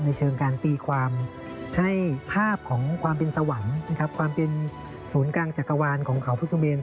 เชิงการตีความให้ภาพของความเป็นสวรรค์นะครับความเป็นศูนย์กลางจักรวาลของเขาพุทธสุเมน